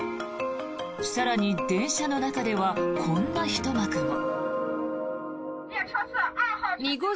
更に、電車の中ではこんなひと幕も。